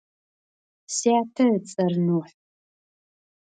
Сятэ ыцӏэр Нухь.